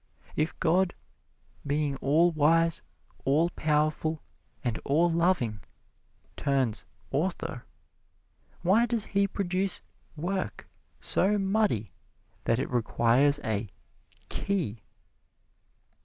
If God, being all wise, all powerful and all loving, turns author, why does He produce work so muddy that it requires a "Key"?